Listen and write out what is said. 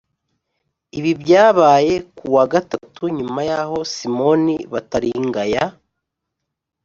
Ibi byabaye kuwa Gatatu nyuma y’aho Simon Bataringaya